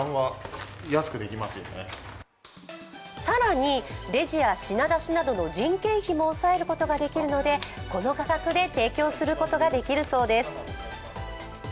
更に、レジや品出しなどの人件費も抑えることができるので、この価格で提供することができるそうです。